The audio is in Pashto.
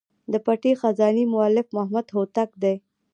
د پټي خزانې مؤلف محمد هوتک دﺉ.